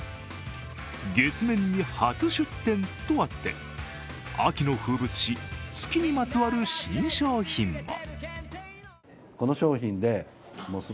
月面に初出店とあって秋の風物詩、月にまつわる新商品も。